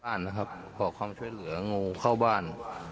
นะครับขอความช่วยเหลืองูเข้าบ้าน